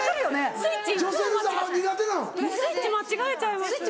スイッチ間違えちゃいます。